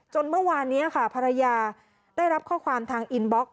เมื่อวานนี้ค่ะภรรยาได้รับข้อความทางอินบล็อก